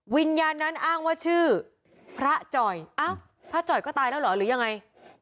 วิญญาณนั้นอ้างว่าชื่อพระจ่อยอ้าวพระจ่อยก็ตายแล้วเหรอหรือยังไง